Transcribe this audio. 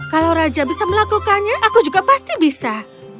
kalau raja bisa melakukannya aku juga pasti bisa